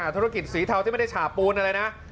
ธุรกิจสีเทาที่ไม่ได้ฉาบปูนอะไรนะ